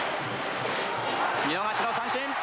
見逃しの三振！